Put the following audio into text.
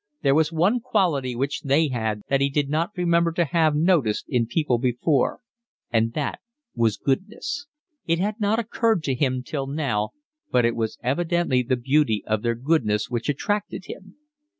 There was one quality which they had that he did not remember to have noticed in people before, and that was goodness. It had not occurred to him till now, but it was evidently the beauty of their goodness which attracted him.